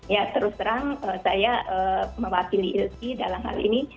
ya terus terang saya mewakili ilki dalam hal ini